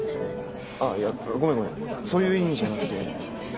あっごめんごめんそういう意味じゃなくて。